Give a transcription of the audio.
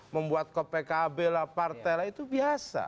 membuat ke pkb lah partai lah itu biasa